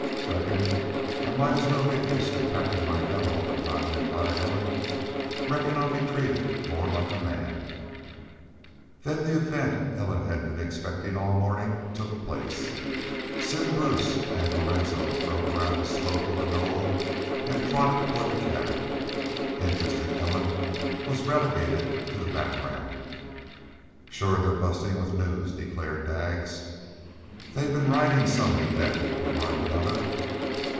"Reckon I might as well get used to packing my gun all the time," replied Ellen. "Reckon I'll be treated more like a man." Then the event Ellen had been expecting all morning took place. Simm Bruce and Lorenzo rode around the slope of the Knoll and trotted toward the cabin. Interest in Ellen was relegated to the background. "Shore they're bustin' with news," declared Daggs. "They been ridin' some, you bet," remarked another.